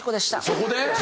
そこで！？